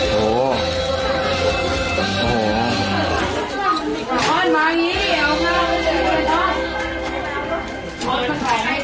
ล่ะต่อไปต่อไปต่อไปสุดยอด